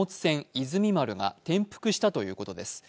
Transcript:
「いずみ丸」が転覆したということです